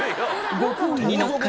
ご厚意に乗っかり